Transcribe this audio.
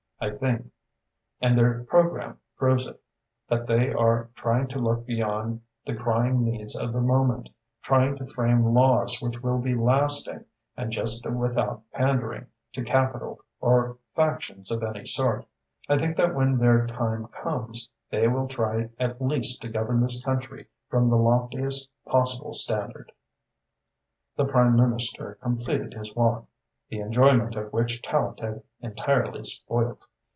I think, and their programme proves it, that they are trying to look beyond the crying needs of the moment, trying to frame laws which will be lasting and just without pandering to capital or factions of any sort. I think that when their time comes, they will try at least to govern this country from the loftiest possible standard." The Prime Minister completed his walk, the enjoyment of which Tallente had entirely spoilt.